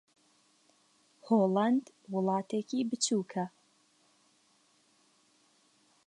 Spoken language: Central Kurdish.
ھۆلەند وڵاتێکی بچووکە.